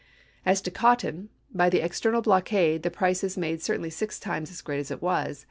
As to cotton. By the external blockade, the price is made certainly six times as great as it was.